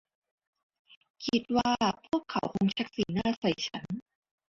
คิดว่าพวกเขาคงชักสีหน้าใส่ฉัน